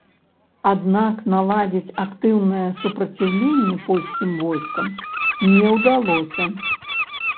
Аднак наладзіць актыўнае супраціўленне польскім войскам не ўдалося.